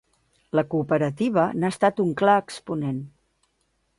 La Cooperativa n'ha estat un clar exponent.